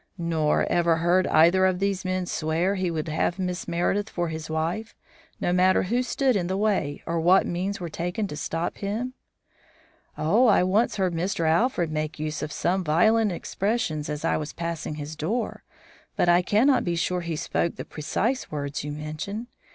"Nor ever heard either of these men swear he would have Miss Meredith for his wife, no matter who stood in the way, or what means were taken to stop him?" "Oh, I once heard Mr. Alfred make use of some violent expressions as I was passing his door, but I can not be sure he spoke the precise words you mention.